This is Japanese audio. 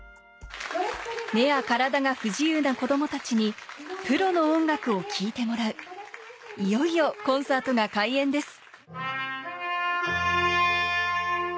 目や体が不自由な子どもたちにプロの音楽を聴いてもらういよいよコンサートが開演です